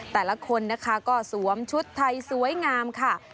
แต่ละคนนะคะก็สวมชุดไทยสวยงามค่ะ